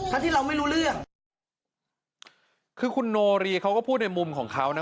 ที่เราไม่รู้เรื่องคือคุณโนรีเขาก็พูดในมุมของเขานะ